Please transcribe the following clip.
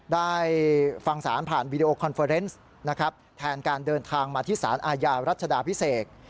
ได้ฟังสารผ่านวีดีโอคอนเฟอร์เนส์นะครับแทนการเดินทางมาที่สารอาญารัชดาพิเศษ